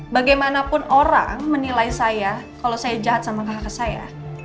bagaimanapun orang menilai saya kalau saya jahat sama kakak saya